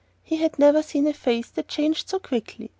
He had never seen a face that changed so quickly.